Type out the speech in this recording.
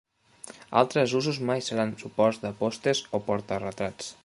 Altres usos mai seran suports de pòsters o porta-retrats.